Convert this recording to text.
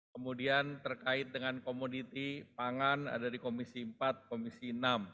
kemudian terkait dengan komoditi pangan ada di komisi empat komisi enam